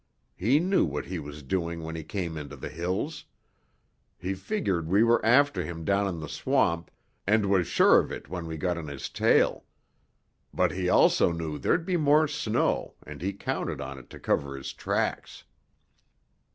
He knew what he was doing when he came into the hills. He figured we were after him down in the swamp and was sure of it when we got on his tail. But he also knew there'd be more snow and he counted on it to cover his tracks."